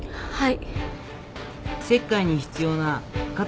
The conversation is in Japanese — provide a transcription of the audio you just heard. はい。